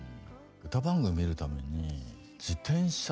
歌番組見るために自転車